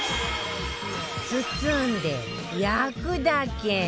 包んで焼くだけ